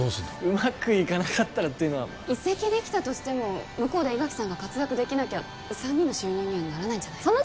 うまくいかなかったらというのは移籍できたとしても向こうで伊垣さんが活躍できなきゃ３人の収入にはならないんじゃないの？